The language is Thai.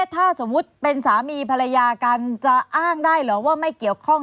ถ้าสมมุติเป็นสามีภรรยากันจะอ้างได้เหรอว่าไม่เกี่ยวข้อง